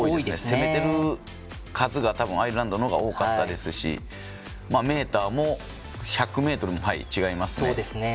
攻めてる数がアイルランドの方が多かったですしメ−ターも１００ｍ違いますね。